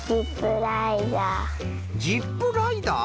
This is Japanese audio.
ジップライダー。